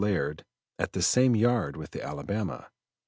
Laird, at the same yard with the Alabama.